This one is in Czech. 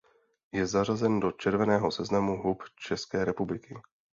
Je zařazen do Červeného seznamu hub České republiky.